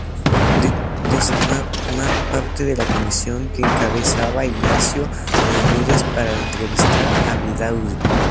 Deseó formar parte de la comisión que encabezaba Ignacio Ramírez para entrevistar a Vidaurri.